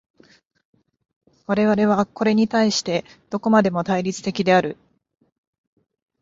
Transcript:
我々はこれに対してどこまでも対立的である。